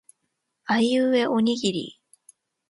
あいうえおにぎり